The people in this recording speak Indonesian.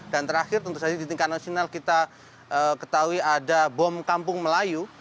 dan terakhir tentu saja di tingkat nasional kita ketahui ada bom kampung melayu